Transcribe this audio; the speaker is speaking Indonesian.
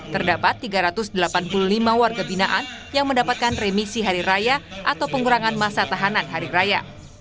terdapat tiga ratus delapan puluh lima warga binaan yang mendapatkan remisi hari raya atau pengurangan masa tahanan hari raya